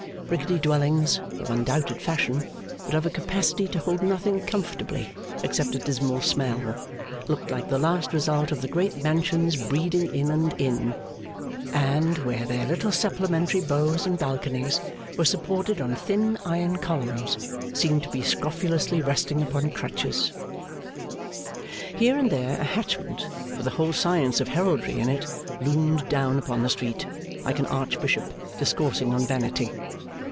Rickety dwellings of undoubted fashion, but of a capacity to hold nothing comfortably except a dismal smell, looked like the last result of the great mansions' breeding in and in; and, where their little supplementary bows and balconies were supported on thin iron columns, seemed to be scrofulously resting upon crutches. Here and there a Hatchment, with the whole science of Heraldry in it, loomed down upon the street, like an Archbishop discoursing on Vanity.